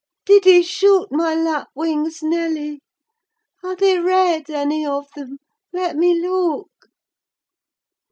Did he shoot my lapwings, Nelly? Are they red, any of them? Let me look."